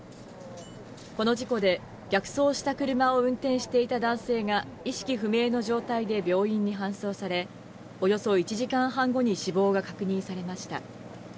この事故で逆走した車を運転していた男性が意識不明の状態で病院に搬送されおよそ１時間半後に死亡が確認されました。